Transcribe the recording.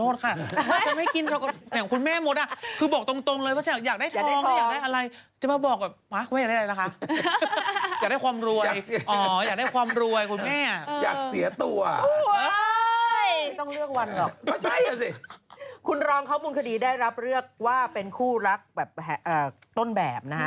โอ้โฮไม่ต้องเลือกวันหรอกคุณรองเขามูลคดีได้รับเลือกว่าเป็นคู่รักต้นแบบนะฮะ